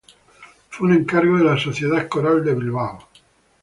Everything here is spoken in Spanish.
Fue un encargo de la Sociedad Coral de Bilbao.